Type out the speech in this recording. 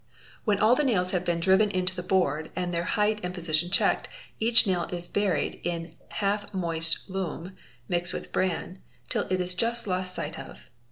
When all the nails have been driven into the board and their height and position checked, each nail is buried in half moist loam (mixed with bran) till it is just lost sight of.